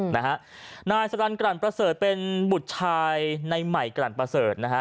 นะฮะนายสรรกลั่นประเสริฐเป็นบุตรชายในใหม่กลั่นประเสริฐนะฮะ